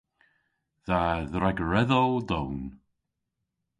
Dha dregeredhow down.